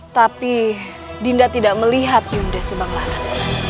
tapi dinda tidak melihat yunda subanglar